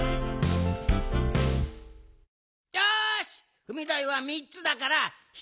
よしふみだいはみっつだからひとりひとつずつだ。